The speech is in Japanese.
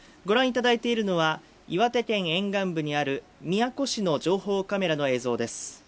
ご覧いただいているのは、岩手県沿岸部にある宮古市の情報カメラの映像です。